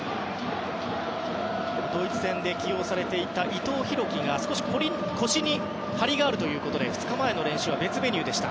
ドイツ戦で起用されていた伊藤洋輝が少し腰に張りがあるということで２日前の練習は別メニューでした。